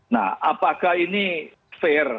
nah apakah ini fair